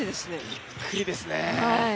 びっくりですね。